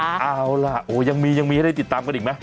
เอาล่ะโอ้ยังมียังมีให้ได้ติดตามกันอีกไหม